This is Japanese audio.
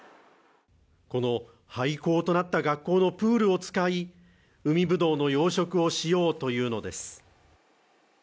この廃校となった学校のプールを使い、海ぶどうの養殖をしようというのです。